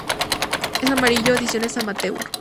En amarillo: ediciones amateur